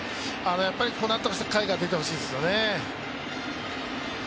ここは何とかして甲斐が出てほしいですよね。